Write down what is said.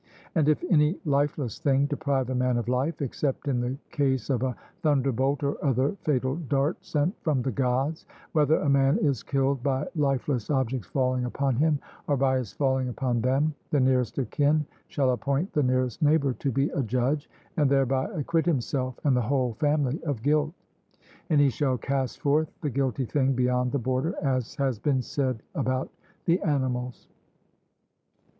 And if any lifeless thing deprive a man of life, except in the case of a thunderbolt or other fatal dart sent from the Gods whether a man is killed by lifeless objects falling upon him, or by his falling upon them, the nearest of kin shall appoint the nearest neighbour to be a judge, and thereby acquit himself and the whole family of guilt. And he shall cast forth the guilty thing beyond the border, as has been said about the animals.